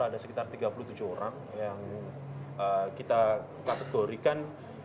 ada sekitar tiga puluh tujuh orang yang kita kategorikan